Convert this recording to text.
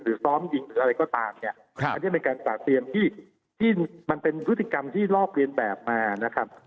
ซ้อมยิงหรืออะไรก็ตามเนี่ยอันนี้เป็นการตระเตรียมที่มันเป็นพฤติกรรมที่ลอกเรียนแบบมานะครับ